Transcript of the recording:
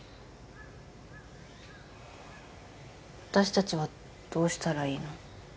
私達はどうしたらいいの？